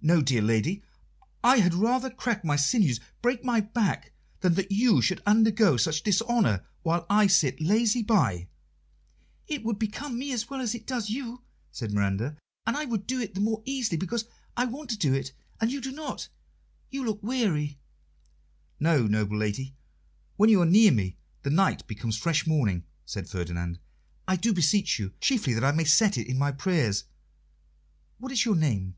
"No, dear lady, I had rather crack my sinews, break my back, than that you should undergo such dishonour while I sit lazy by." "It would become me as well as it does you," said Miranda, "and I would do it the more easily, because I want to do it and you do not. You look weary." "No, noble lady; when you are near me the night becomes fresh morning," said Ferdinand. "I do beseech you chiefly that I may set it in my prayers what is your name?"